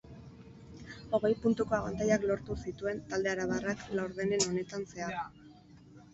Hogei puntuko abantailak lortu zituen talde arabarrak laurdenen honetan zehar.